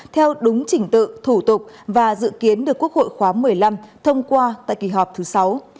theo đúng chỉnh tự thủ tục và dự kiến được quốc hội khóa một mươi năm thông qua tại kỳ họp thứ sáu